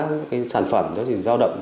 những sản phẩm nó chỉ giao đậm